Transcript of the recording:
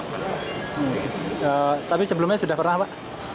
tapi sebelumnya sudah pernah pak